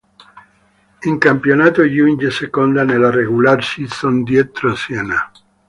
In campionato giunge seconda nella regular season dietro Siena.